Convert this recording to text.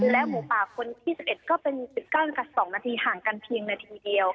และหมูป่าคนที่๑๑ก็เป็น๑๙๒นาทีห่างกันเพียงนาทีเดียว